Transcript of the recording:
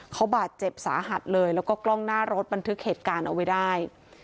เขาบาดเจ็บสาหัสเลยแล้วก็กล้องหน้ารถบันทึกเหตุการณ์เอาไว้ได้